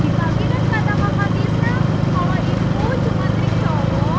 kita gak mau